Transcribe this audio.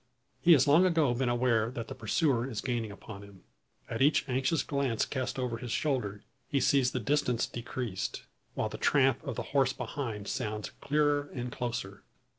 He has long ago been aware that the pursuer is gaining upon him. At each anxious glance cast over his shoulder, he sees the distance decreased, while the tramp of the horse behind sounds clearer and closer.